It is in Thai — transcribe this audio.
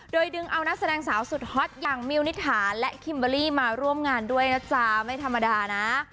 โดยดึงเอานักแสดงสาวสุดฮอตอย่างมิวนิษฐาและคิมเบอร์รี่มาร่วมงานด้วยนะจ๊ะไม่ธรรมดานะ